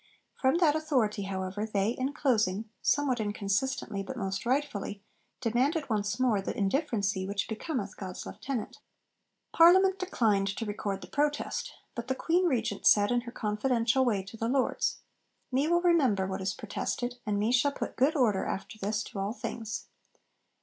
From that Authority, however, they, in closing somewhat inconsistently but most rightfully demanded once more the 'indifferency' which becometh God's Lieutenant. Parliament declined to record the Protest, but the Queen Regent said in her confidential way to the Lords, 'Me will remember what is protested; and me shall put good order after this to all things.'